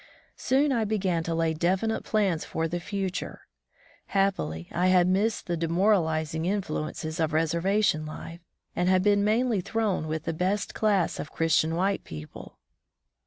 Soon I began to lay definite plans for the future. Happily, I had missed the de moralizing influences of reservation life, and had been mainly thrown with the best class of Christian white people.